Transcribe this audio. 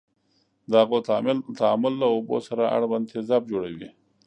د هغو تعامل له اوبو سره اړوند تیزاب جوړوي.